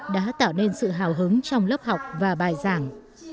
đã tạo nên sự hào hứng trong lớp học và bài giảng